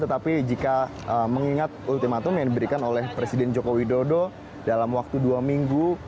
tetapi jika mengingat ultimatum yang diberikan oleh presiden joko widodo dalam waktu dua minggu